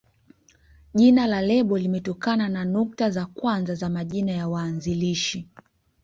Jina la lebo limetokana na nukta za kwanza za majina ya waanzilishi.